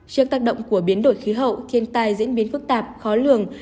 trước tác động của biến đổi khí hậu thiên tai diễn biến phức tạp khó lường